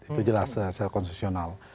itu jelas secara konsesional